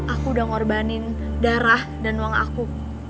aku udah ngorbanin darah dan uang aku